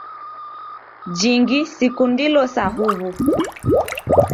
Jingi sikundilo sa huw'u.